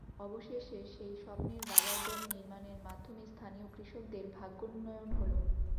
অবশেষে সেই স্বপ্নের রাবার ড্যাম নির্মাণের মাধ্যমে স্থানীয় কৃষকদের ভাগ্যোন্নয়ন হলো।